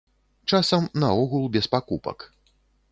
Часам наогул без пакупак.